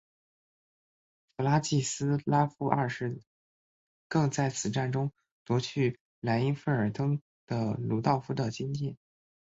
弗拉季斯拉夫二世更在此战中夺去莱茵费尔登的鲁道夫的金剑。